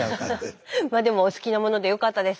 でもお好きなものでよかったです。